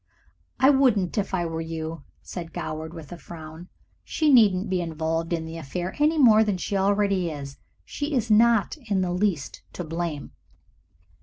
"I wouldn't, if I were you," said Goward, with a frown. "She needn't be involved in the affair any more than she already is. She is not in the least to blame."